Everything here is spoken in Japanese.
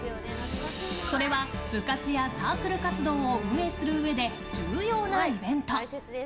それは、部活やサークル活動を運営するうえで重要なイベント。